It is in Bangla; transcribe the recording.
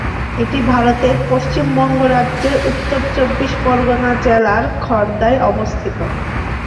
এটি ভারতের পশ্চিমবঙ্গ রাজ্যের উত্তর চব্বিশ পরগণা জেলার খড়দায় অবস্থিত।